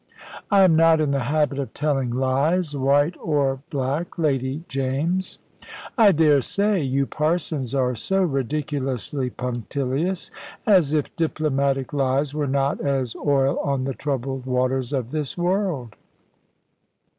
"I am not in the habit of telling lies, white or black, Lady James." "I daresay. You parsons are so ridiculously punctilious. As if diplomatic lies were not as oil on the troubled waters of this world."